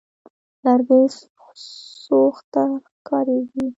لرګي سوخت ته کارېږي.